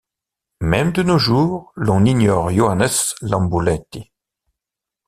Même de nos jours, l'on ignore Johannes Lambuleti.